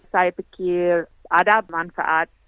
saya pikir ada manfaat